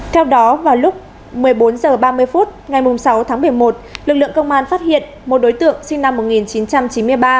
theo đó vào lúc một mươi bốn h ba mươi phút ngày sáu tháng một mươi một lực lượng công an phát hiện một đối tượng sinh năm một nghìn chín trăm chín mươi ba